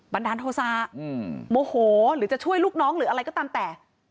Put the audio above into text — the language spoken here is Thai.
ดาลโทษะโมโหหรือจะช่วยลูกน้องหรืออะไรก็ตามแต่